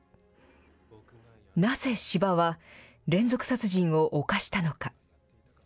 なぜ斯波は連続殺人を犯したのか。